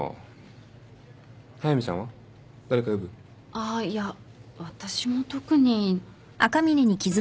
あっいや私も特に。